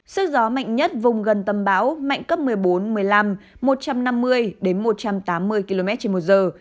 sức gió mạnh nhất vùng gần tâm bão mạnh cấp một mươi bốn một mươi năm một trăm năm mươi một trăm tám mươi km trên một giờ